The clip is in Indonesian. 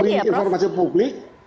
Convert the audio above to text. itu akan memberi informasi publik